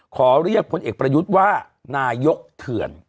ขอเรียกพลเอกประยุทธ์ว่านายกเถื่อน